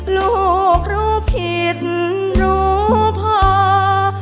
ลูกรู้ผิดรู้พอ